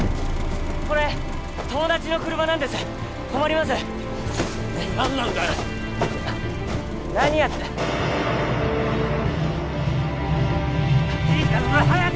これ友達の車なんです困ります何なんだよ何やって・いいから乗れ早く！